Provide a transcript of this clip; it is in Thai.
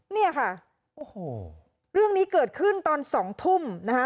เนี่ยค่ะโอ้โหเรื่องนี้เกิดขึ้นตอน๒ทุ่มนะคะ